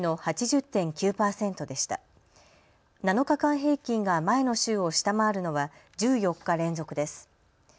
７日間平均が前の週を下回るのは１４日連続です。